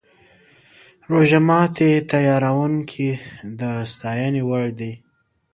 روژه ماتي تیاروونکي د ستاینې وړ دي.